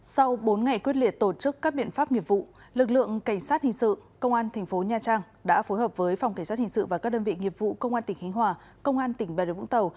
sau bốn ngày quyết liệt tổ chức các biện pháp nghiệp vụ lực lượng cảnh sát hình sự công an thành phố nha trang đã phối hợp với phòng cảnh sát hình sự và các đơn vị nghiệp vụ công an tỉnh hình hòa công an tỉnh bè đồng vũng tàu